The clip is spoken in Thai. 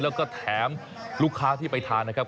แล้วก็แถมลูกค้าที่ไปทานนะครับ